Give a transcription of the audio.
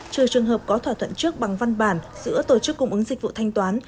trừ trường hợp có thỏa thuận trước bằng văn bản giữa tổ chức cung ứng dịch vụ thanh toán